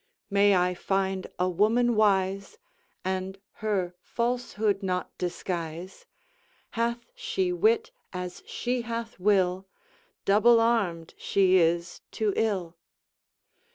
May I find a woman wise, And her falsehood not disguise: Hath she wit as she hath will, Double armed she is to ill.